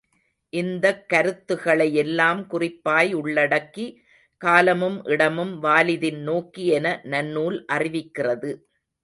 இந்தக் கருத்துகளை எல்லாம் குறிப்பாய் உள்ளடக்கி, காலமும் இடமும் வாலிதின் நோக்கி என நன்னூல் அறிவிக்கிறது.